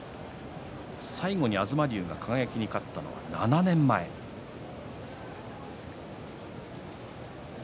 最後に東龍が輝に勝ったのは７年前です。